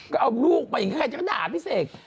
ก็เอาลูกไปใครจะด่าพี่เสก